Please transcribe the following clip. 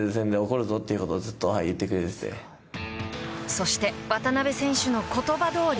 そして、渡邊選手の言葉どおり。